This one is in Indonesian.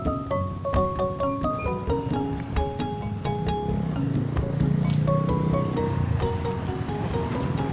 udah lebih segan